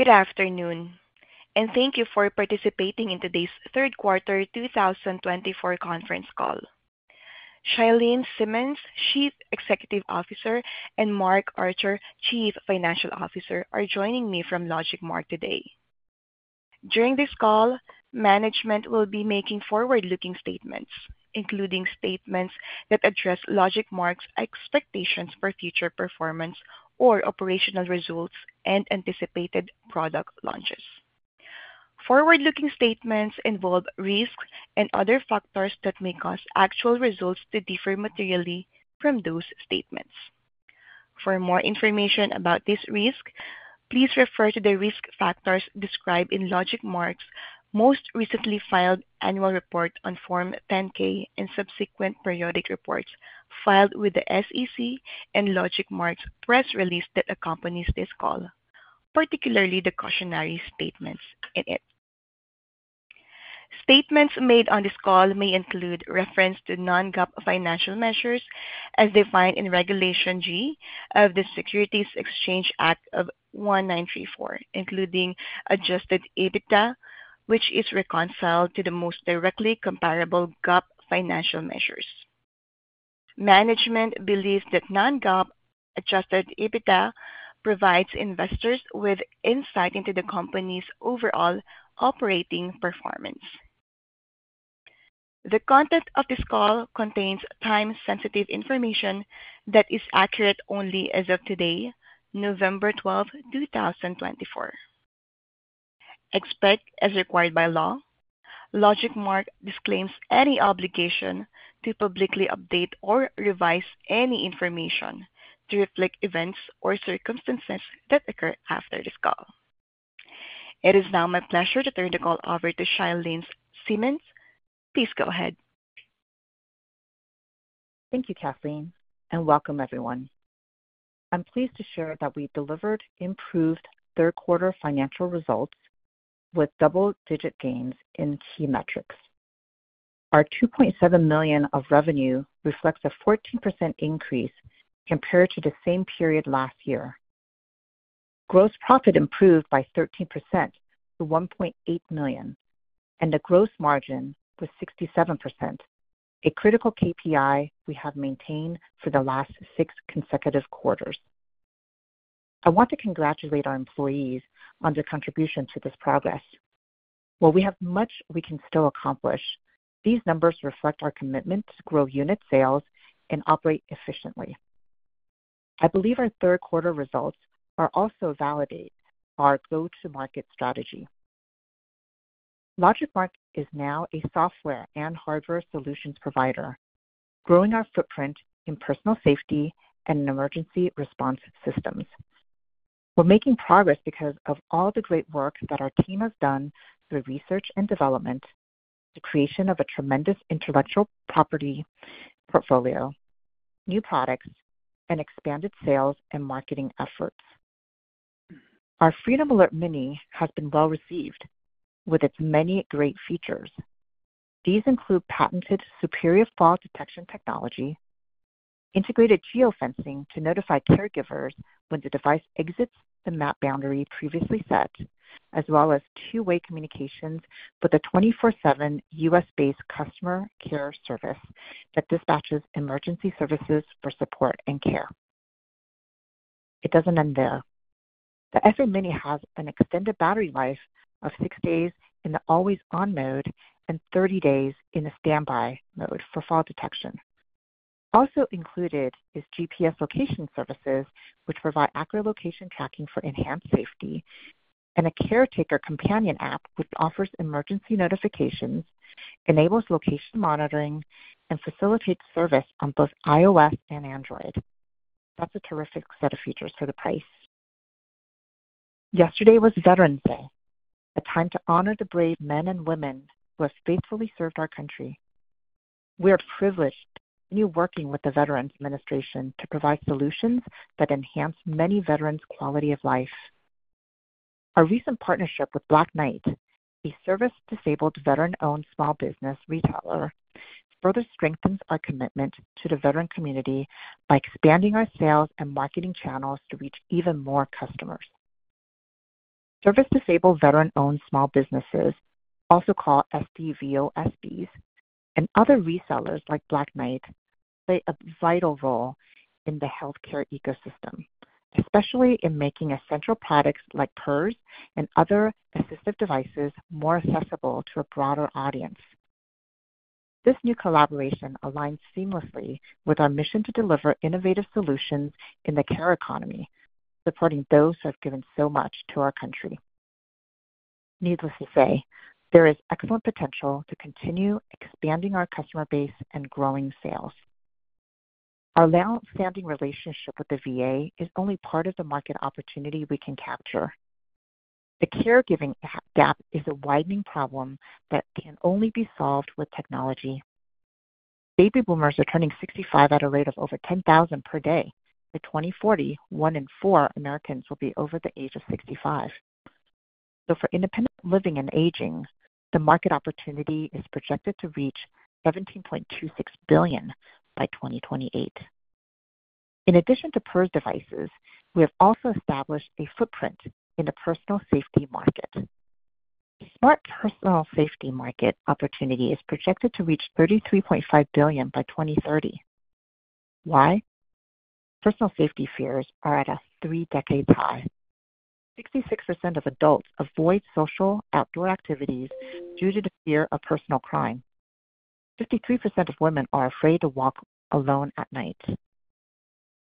Good afternoon, and thank you for participating in today's third quarter 2024 conference call. Chia-Lin Simmons, Chief Executive Officer, and Mark Archer, Chief Financial Officer, are joining me from LogicMark today. During this call, management will be making forward-looking statements, including statements that address LogicMark's expectations for future performance or operational results and anticipated product launches. Forward-looking statements involve risks and other factors that may cause actual results to differ materially from those statements. For more information about this risk, please refer to the risk factors described in LogicMark's most recently filed annual report on Form 10-K and subsequent periodic reports filed with the SEC and LogicMark's press release that accompanies this call, particularly the cautionary statements in it. Statements made on this call may include reference to non-GAAP financial measures, as defined in Regulation G of the Securities Exchange Act of 1934, including Adjusted EBITDA, which is reconciled to the most directly comparable GAAP financial measures. Management believes that non-GAAP Adjusted EBITDA provides investors with insight into the company's overall operating performance. The content of this call contains time-sensitive information that is accurate only as of today, November 12, 2024. Except as required by law, LogicMark disclaims any obligation to publicly update or revise any information to reflect events or circumstances that occur after this call. It is now my pleasure to turn the call over to Chia-Lin Simmons. Please go ahead. Thank you, Kathleen, and welcome everyone. I'm pleased to share that we delivered improved third-quarter financial results with double-digit gains in key metrics. Our $2.7 million of revenue reflects a 14% increase compared to the same period last year. Gross profit improved by 13% to $1.8 million, and the gross margin was 67%, a critical KPI we have maintained for the last six consecutive quarters. I want to congratulate our employees on their contribution to this progress. While we have much we can still accomplish, these numbers reflect our commitment to grow unit sales and operate efficiently. I believe our third-quarter results also validate our go-to-market strategy. LogicMark is now a software and hardware solutions provider, growing our footprint in personal safety and emergency response systems. We're making progress because of all the great work that our team has done through research and development, the creation of a tremendous intellectual property portfolio, new products, and expanded sales and marketing efforts. Our Freedom Alert Mini has been well-received with its many great features. These include patented superior fall detection technology, integrated geofencing to notify caregivers when the device exits the map boundary previously set, as well as two-way communications with a 24/7 U.S.-based customer care service that dispatches emergency services for support and care. It doesn't end there. The FA Mini has an extended battery life of six days in the always-on mode and 30 days in the standby mode for fall detection. Also included is GPS location services, which provide accurate location tracking for enhanced safety, and a caretaker companion app, which offers emergency notifications, enables location monitoring, and facilitates service on both iOS and Android. That's a terrific set of features for the price. Yesterday was Veterans Day, a time to honor the brave men and women who have faithfully served our country. We are privileged to continue working with the Veterans Administration to provide solutions that enhance many veterans' quality of life. Our recent partnership with Black Knight, a service-disabled veteran-owned small business retailer, further strengthens our commitment to the veteran community by expanding our sales and marketing channels to reach even more customers. Service-disabled veteran-owned small businesses, also called SDVOSBs, and other resellers like Black Knight play a vital role in the healthcare ecosystem, especially in making essential products like PERS and other assistive devices more accessible to a broader audience. This new collaboration aligns seamlessly with our mission to deliver innovative solutions in the care economy, supporting those who have given so much to our country. Needless to say, there is excellent potential to continue expanding our customer base and growing sales. Our longstanding relationship with the VA is only part of the market opportunity we can capture. The caregiving gap is a widening problem that can only be solved with technology. Baby boomers are turning 65 at a rate of over 10,000 per day. By 2040, one in four Americans will be over the age of 65. So for independent living and aging, the market opportunity is projected to reach $17.26 billion by 2028. In addition to PERS devices, we have also established a footprint in the personal safety market. The smart personal safety market opportunity is projected to reach $33.5 billion by 2030. Why? Personal safety fears are at a three-decade high. 66% of adults avoid social outdoor activities due to the fear of personal crime. 53% of women are afraid to walk alone at night.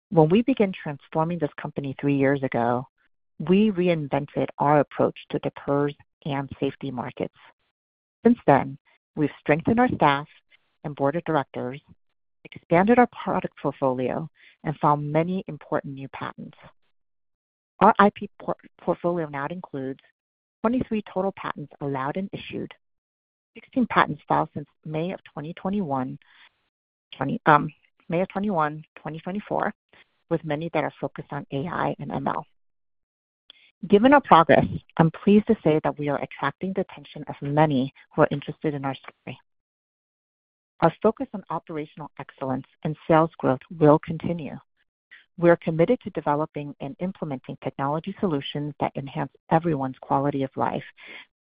When we began transforming this company three years ago, we reinvented our approach to the PERS and safety markets. Since then, we've strengthened our staff and board of directors, expanded our product portfolio, and found many important new patents. Our IP portfolio now includes 23 total patents allowed and issued, 16 patents filed since May of 2021, 2024, with many that are focused on AI and ML. Given our progress, I'm pleased to say that we are attracting the attention of many who are interested in our story. Our focus on operational excellence and sales growth will continue. We are committed to developing and implementing technology solutions that enhance everyone's quality of life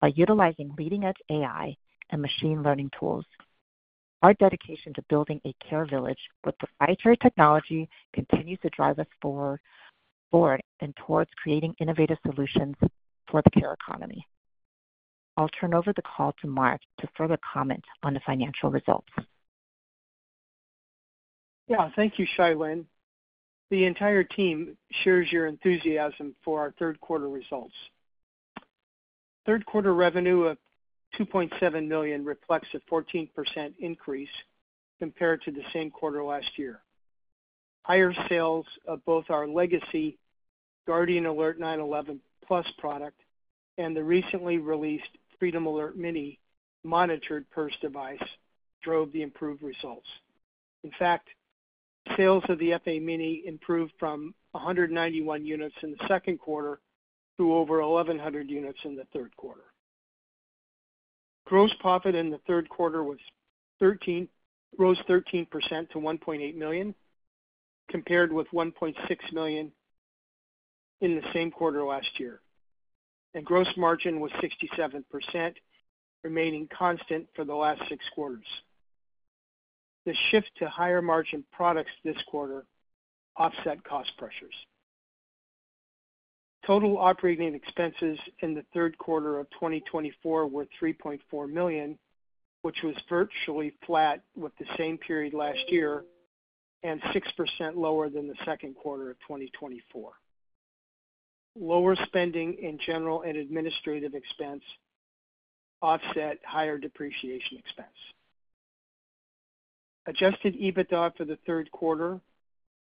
by utilizing leading-edge AI and machine learning tools. Our dedication to building a Care Village with proprietary technology continues to drive us forward and towards creating innovative solutions for the care economy. I'll turn over the call to Mark to further comment on the financial results. Yeah, thank you, Chia-Lin. The entire team shares your enthusiasm for our third-quarter results. Third-quarter revenue of $2.7 million reflects a 14% increase compared to the same quarter last year. Higher sales of both our legacy Guardian Alert 911 Plus product and the recently released Freedom Alert Mini monitored PERS device drove the improved results. In fact, sales of the FA Mini improved from 191 units in the second quarter to over 1,100 units in the third quarter. Gross profit in the third quarter rose 13% to $1.8 million, compared with $1.6 million in the same quarter last year, and gross margin was 67%, remaining constant for the last six quarters. The shift to higher margin products this quarter offset cost pressures. Total operating expenses in the third quarter of 2024 were $3.4 million, which was virtually flat with the same period last year and 6% lower than the second quarter of 2024. Lower spending in general and administrative expense offset higher depreciation expense. Adjusted EBITDA for the third quarter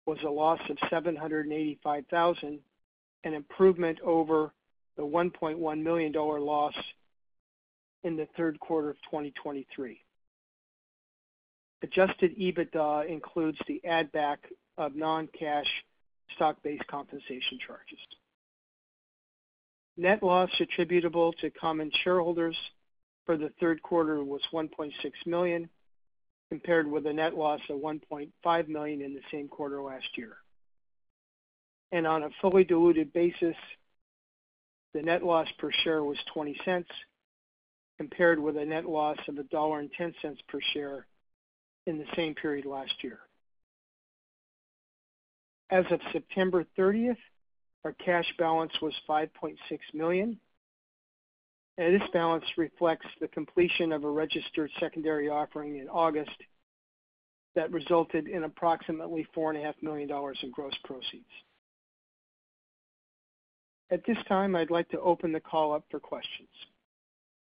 was a loss of $785,000, an improvement over the $1.1 million loss in the third quarter of 2023. Adjusted EBITDA includes the add-back of non-cash stock-based compensation charges. Net loss attributable to common shareholders for the third quarter was $1.6 million, compared with a net loss of $1.5 million in the same quarter last year. And on a fully diluted basis, the net loss per share was $0.20, compared with a net loss of $1.10 per share in the same period last year. As of September 30th, our cash balance was $5.6 million. This balance reflects the completion of a registered secondary offering in August that resulted in approximately $4.5 million in gross proceeds. At this time, I'd like to open the call up for questions.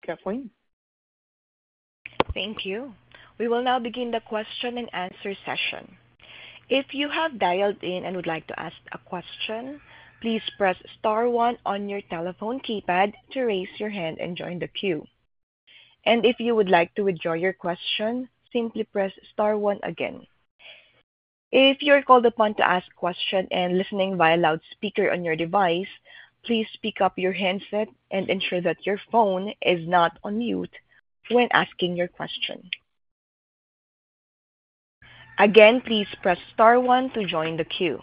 Kathleen? Thank you. We will now begin the question-and-answer session. If you have dialed in and would like to ask a question, please press star one on your telephone keypad to raise your hand and join the queue. And if you would like to withdraw your question, simply press star one again. If you're called upon to ask a question and listening via loudspeaker on your device, please pick up your handset and ensure that your phone is not on mute when asking your question. Again, please press star one to join the queue.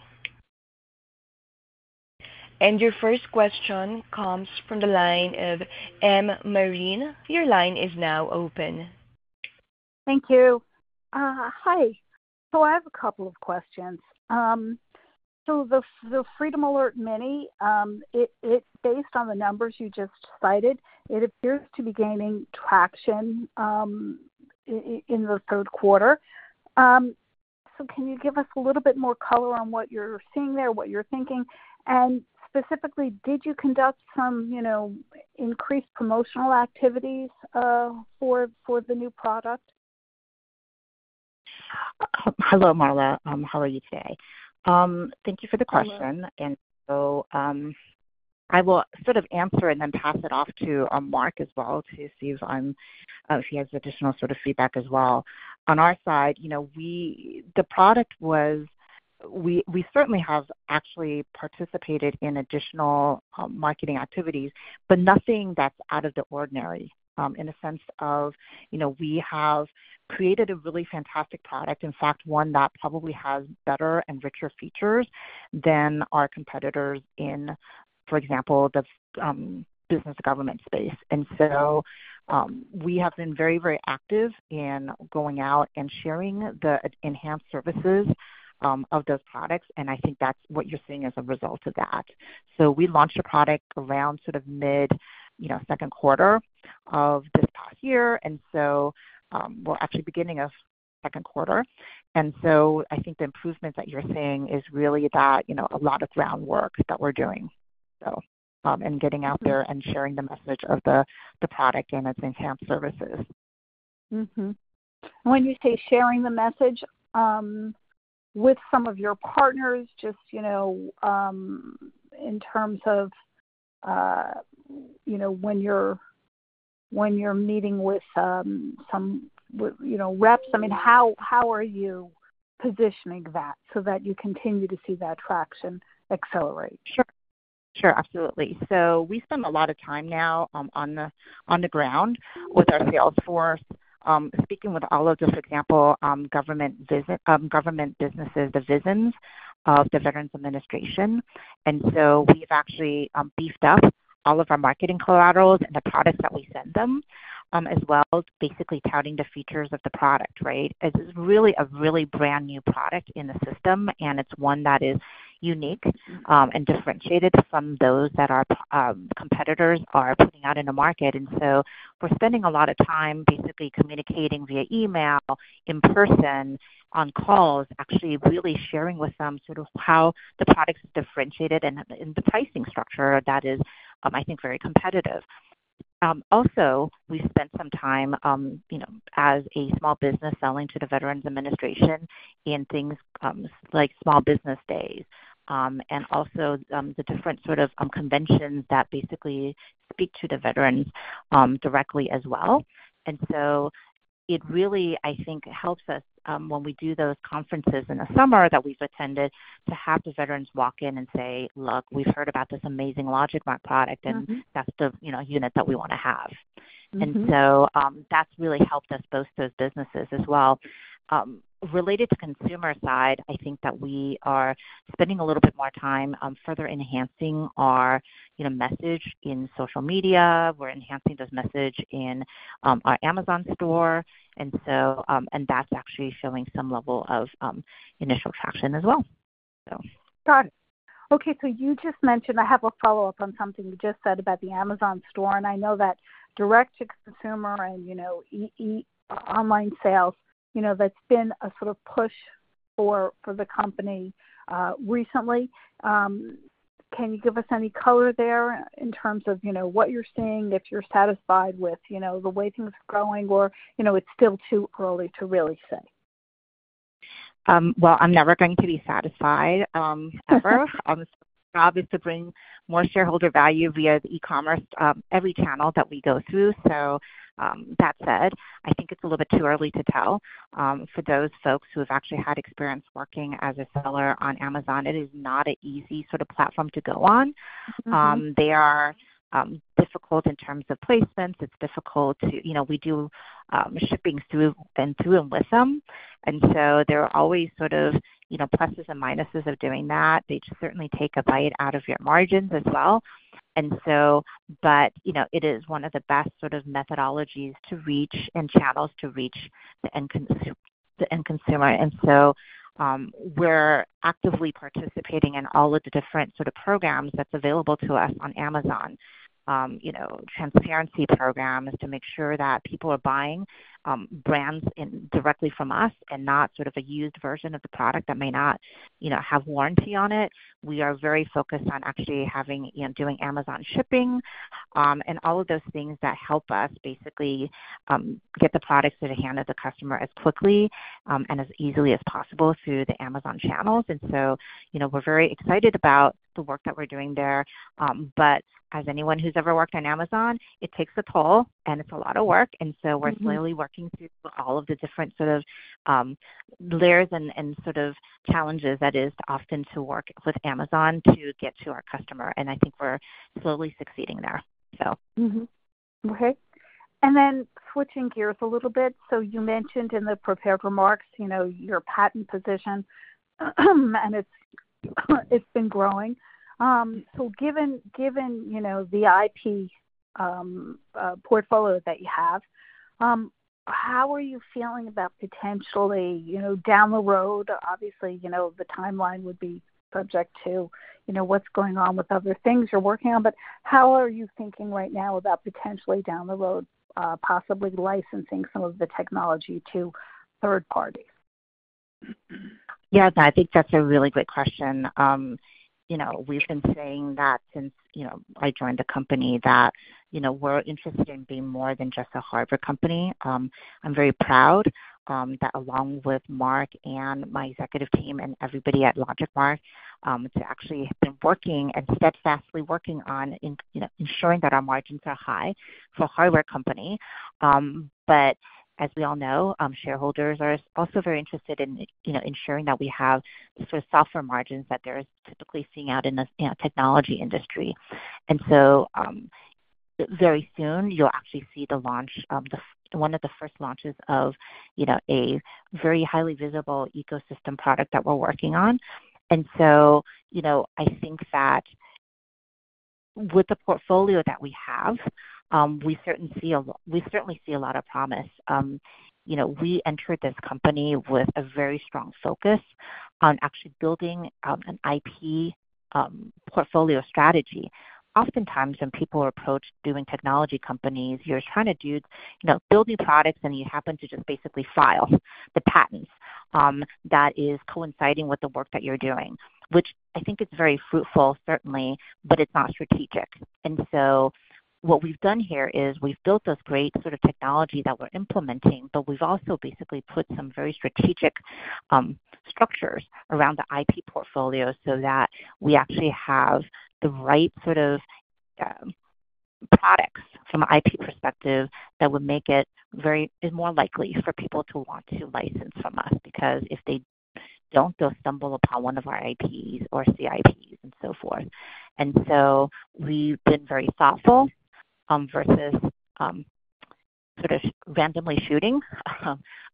And your first question comes from the line of Marla Marin. Your line is now open. Thank you. Hi. So I have a couple of questions. So the Freedom Alert Mini, it's based on the numbers you just cited. It appears to be gaining traction in the third quarter. So can you give us a little bit more color on what you're seeing there, what you're thinking? And specifically, did you conduct some, you know, increased promotional activities for the new product? Hello, Marla. How are you today? Thank you for the question, and so I will sort of answer and then pass it off to Mark as well to see if he has additional sort of feedback as well. On our side, you know, we certainly have actually participated in additional marketing activities, but nothing that's out of the ordinary, in the sense of, you know, we have created a really fantastic product, in fact, one that probably has better and richer features than our competitors in, for example, the business government space, and so we have been very, very active in going out and sharing the enhanced services of those products, and I think that's what you're seeing as a result of that, so we launched a product around sort of mid, you know, second quarter of this past year. We're actually at the beginning of the second quarter. So I think the improvements that you're seeing is really that, you know, a lot of groundwork that we're doing, so, and getting out there and sharing the message of the product and its enhanced services. Mm-hmm. And when you say sharing the message with some of your partners, just, you know, in terms of, you know, when you're meeting with some, you know, reps, I mean, how are you positioning that so that you continue to see that traction accelerate? Sure. Sure. Absolutely, so we spend a lot of time now on the ground with our sales force, speaking with all of those, for example, government VA government businesses, the divisions of the Veterans Administration. We've actually beefed up all of our marketing collaterals and the products that we send them as well, basically touting the features of the product, right? This is really a really brand new product in the system, and it's one that is unique and differentiated from those that our competitors are putting out in the market, so we're spending a lot of time basically communicating via email, in person, on calls, actually really sharing with them sort of how the product's differentiated and the pricing structure that is, I think, very competitive. Also, we spent some time, you know, as a small business selling to the Veterans Administration in things like small business days, and also the different sort of conventions that basically speak to the veterans directly as well. And so it really, I think, helps us when we do those conferences in the summer that we've attended to have the veterans walk in and say, "Look, we've heard about this amazing LogicMark product, and that's the, you know, unit that we want to have." And so that's really helped us boost those businesses as well. Related to consumer side, I think that we are spending a little bit more time further enhancing our, you know, message in social media. We're enhancing those messages in our Amazon store. And so, and that's actually showing some level of initial traction as well, so. Got it. Okay. So you just mentioned. I have a follow-up on something you just said about the Amazon store. And I know that direct-to-consumer and, you know, e-commerce online sales, you know, that's been a sort of push for the company, recently. Can you give us any color there in terms of, you know, what you're seeing, if you're satisfied with, you know, the way things are going, or, you know, it's still too early to really say? Well, I'm never going to be satisfied, ever. So our job is to bring more shareholder value via the e-commerce, every channel that we go through. So, that said, I think it's a little bit too early to tell. For those folks who have actually had experience working as a seller on Amazon, it is not an easy sort of platform to go on. They are difficult in terms of placements. It's difficult to, you know, we do shipping through and through and with them. And so there are always sort of, you know, pluses and minuses of doing that. They certainly take a bite out of your margins as well. And so, but, you know, it is one of the best sort of methodologies to reach and channels to reach the end consumer. And so, we're actively participating in all of the different sort of programs that's available to us on Amazon, you know, Transparency programs to make sure that people are buying brands directly from us and not sort of a used version of the product that may not you know have warranty on it. We are very focused on actually having you know doing Amazon shipping, and all of those things that help us basically get the products to the hand of the customer as quickly and as easily as possible through the Amazon channels. And so, you know, we're very excited about the work that we're doing there. But as anyone who's ever worked on Amazon, it takes a toll, and it's a lot of work. And so we're slowly working through all of the different sort of layers and and sort of challenges that it is often to work with Amazon to get to our customer. And I think we're slowly succeeding there, so. Mm-hmm. Okay. And then switching gears a little bit. So you mentioned in the prepared remarks, you know, your patent position, and it's been growing. So given, you know, the IP portfolio that you have, how are you feeling about potentially, you know, down the road? Obviously, you know, the timeline would be subject to, you know, what's going on with other things you're working on. But how are you thinking right now about potentially down the road, possibly licensing some of the technology to third parties? Yes. I think that's a really great question. You know, we've been saying that since, you know, I joined the company that, you know, we're interested in being more than just a hardware company. I'm very proud that along with Mark and my executive team and everybody at LogicMark to actually have been working and steadfastly working on, you know, ensuring that our margins are high for a hardware company, but as we all know, shareholders are also very interested in, you know, ensuring that we have sort of software margins that they're typically seeing out in the, you know, technology industry, and so very soon, you'll actually see the launch, the one of the first launches of, you know, a very highly visible ecosystem product that we're working on. And so, you know, I think that with the portfolio that we have, we certainly see a lot of promise. You know, we entered this company with a very strong focus on actually building an IP portfolio strategy. Oftentimes, when people are approached doing technology companies, you're trying to do, you know, build new products, and you happen to just basically file the patents that is coinciding with the work that you're doing, which I think is very fruitful, certainly, but it's not strategic. And so what we've done here is we've built those great sort of technology that we're implementing, but we've also basically put some very strategic structures around the IP portfolio so that we actually have the right sort of products from an IP perspective that would make it very more likely for people to want to license from us because if they don't, they'll stumble upon one of our IPs or CIPs and so forth. And so we've been very thoughtful versus sort of randomly shooting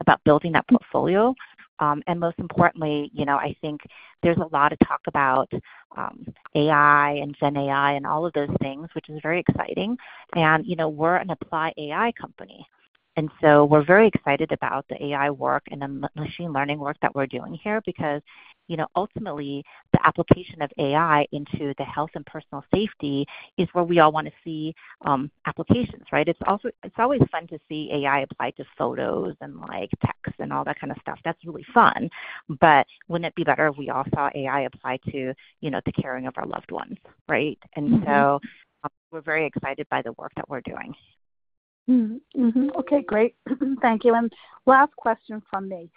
about building that portfolio. And most importantly, you know, I think there's a lot of talk about AI and Gen AI and all of those things, which is very exciting. And, you know, we're an applied AI company. And so we're very excited about the AI work and the machine learning work that we're doing here because, you know, ultimately, the application of AI into the health and personal safety is where we all want to see applications, right? It's also always fun to see AI applied to photos and, like, texts and all that kind of stuff. That's really fun. But wouldn't it be better if we all saw AI applied to, you know, the caring of our loved ones, right? And so, we're very excited by the work that we're doing. Okay. Great. Thank you. And last question from me.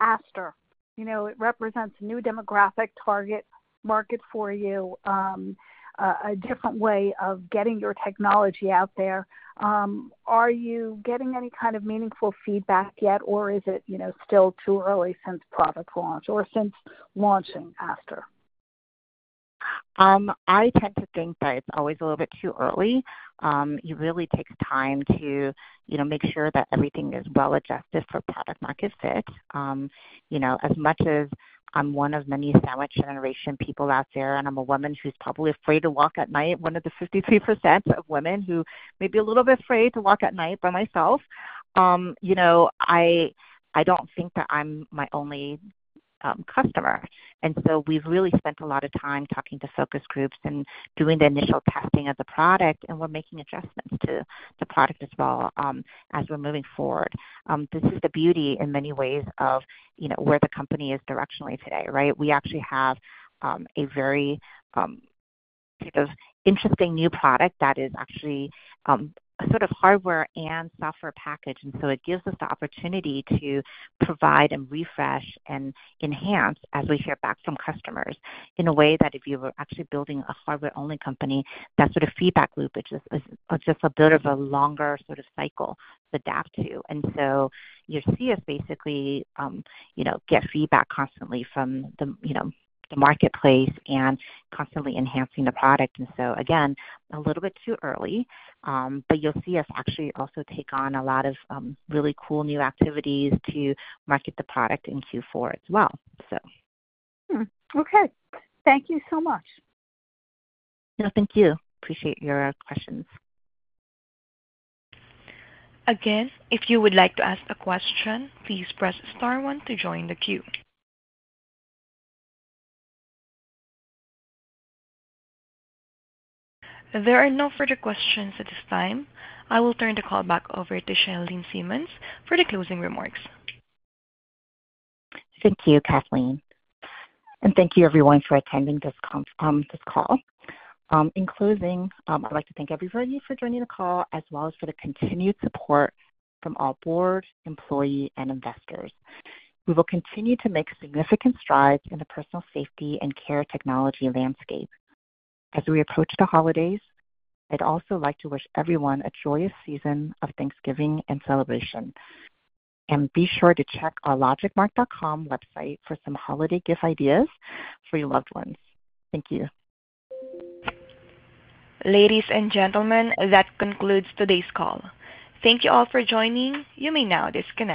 Aster, you know, it represents a new demographic target market for you, a different way of getting your technology out there. Are you getting any kind of meaningful feedback yet, or is it, you know, still too early since product launch or since launching, Aster? I tend to think that it's always a little bit too early. It really takes time to, you know, make sure that everything is well adjusted for product-market fit. You know, as much as I'm one of many sandwich generation people out there, and I'm a woman who's probably afraid to walk at night, one of the 53% of women who may be a little bit afraid to walk at night by myself, you know, I don't think that I'm my only customer. And so we've really spent a lot of time talking to focus groups and doing the initial testing of the product, and we're making adjustments to the product as well as we're moving forward. This is the beauty in many ways of, you know, where the company is directionally today, right? We actually have a very sort of interesting new product that is actually sort of hardware and software package, and so it gives us the opportunity to provide and refresh and enhance as we hear back from customers in a way that if you were actually building a hardware-only company, that sort of feedback loop, which is just a bit of a longer sort of cycle to adapt to, and so you'll see us basically, you know, get feedback constantly from the, you know, the marketplace and constantly enhancing the product, and so again, a little bit too early, but you'll see us actually also take on a lot of really cool new activities to market the product in Q4 as well, so. Okay. Thank you so much. No, thank you. Appreciate your questions. Again, if you would like to ask a question, please press star one to join the queue. There are no further questions at this time. I will turn the call back over to Chia-Lin Simmons for the closing remarks. Thank you, Kathleen. And thank you, everyone, for attending this conference call. In closing, I'd like to thank everybody for joining the call as well as for the continued support from our board, employees, and investors. We will continue to make significant strides in the personal safety and care technology landscape. As we approach the holidays, I'd also like to wish everyone a joyous season of Thanksgiving and celebration. And be sure to check our LogicMark.com website for some holiday gift ideas for your loved ones. Thank you. Ladies and gentlemen, that concludes today's call. Thank you all for joining. You may now disconnect.